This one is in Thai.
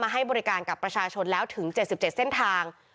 ให้บริการกับประชาชนแล้วถึง๗๗เส้นทาง